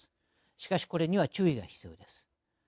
しかし、これには注意が必要です。